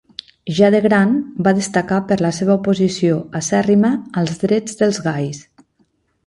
Ja de gran, va destacar per la seva oposició acèrrima als drets dels gais.